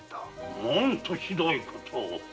何とひどいことを。